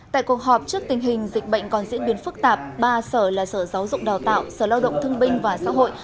tại cuộc họp trước tình hình dịch bệnh còn diễn biến phức tạp ba sở là sở giáo dục đào tạo sở lao động thương binh và xã hội